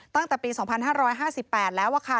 ตั้งแต่ปี๒๕๕๘แล้วค่ะ